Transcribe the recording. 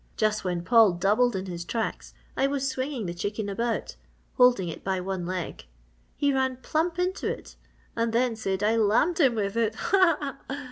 Just when Paul doubled in his tracks, I was swinging the chicken about holding it by one leg. He ran plump into it and then said I lammed him with it! Ha, ha, ha!"